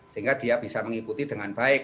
sehingga dia bisa mengikuti dengan baik